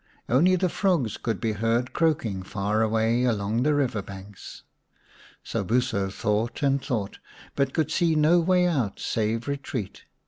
Only the frogs could be heard croaking far away along the river banks. Sobuso thought and thought, but could see no way out save retreat.